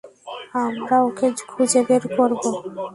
আমরা ওকে খুঁজে বের করবো।